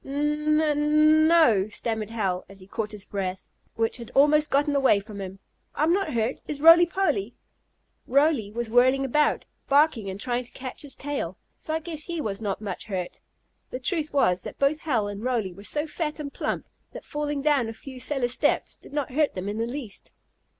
"N n n n no!" stammered Hal, as he caught his breath, which had almost gotten away from him. "I'm not hurt. Is Roly Poly?" Roly was whirling about, barking and trying to catch his tail, so I guess he was not much hurt. The truth was that both Hal and Roly were so fat and plump, that falling down a few cellar steps did not hurt them in the least.